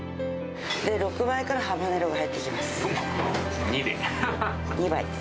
６倍からハバネロが入ってき２で。